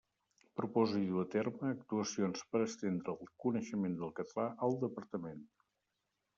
Proposa i duu a terme actuacions per estendre el coneixement del català al Departament.